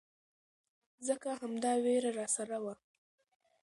ځکه همدا ويره راسره وه.